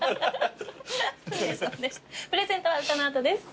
プレゼントは歌の後です。